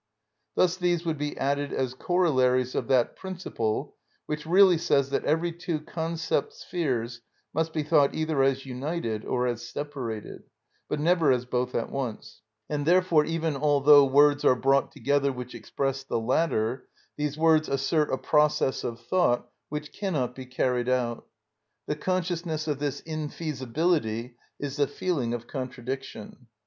Thus these would be added as corollaries of that principle which really says that every two concept spheres must be thought either as united or as separated, but never as both at once; and therefore, even although words are brought together which express the latter, these words assert a process of thought which cannot be carried out. The consciousness of this infeasibility is the feeling of contradiction.